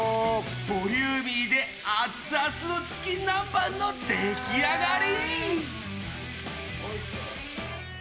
ボリューミーでアツアツのチキン南蛮の出来上がり！